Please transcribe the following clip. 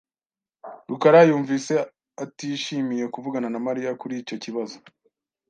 rukara yumvise atishimiye kuvugana na Mariya kuri icyo kibazo .